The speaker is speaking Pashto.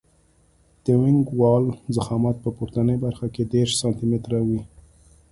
د وینګ وال ضخامت په پورتنۍ برخه کې دېرش سانتي متره وي